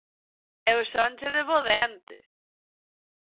Eu sonche de bo dente